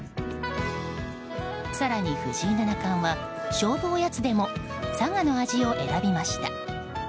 更に藤井七冠は勝負おやつでも佐賀の味を選びました。